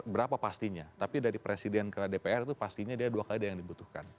berapa pastinya tapi dari presiden ke dpr itu pastinya dia dua kali ada yang dibutuhkan